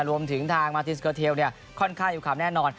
รวมถึงทางมาตินสเกอร์เทลค่อนข้างอยู่ข่าวแน่นอน